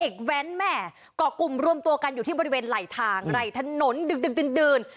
เด็กแว้นแม่กรอบกลุ่มรวมตัวกันอยู่ในบริเวณไหลยทางไหลยถนนดึก